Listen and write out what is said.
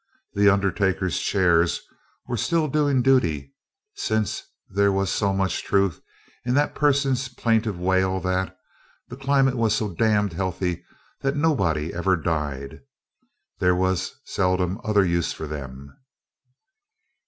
The undertaker's chairs were still doing duty, since there was so much truth in that person's plaintive wail that "the climate was so damned healthy that nobody ever died," there was seldom other use for them.